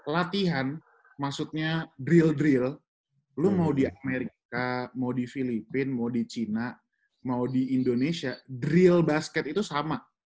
latihan maksudnya drill drill lo mau di amerika mau di filipina mau di china mau di indonesia drill basket itu sama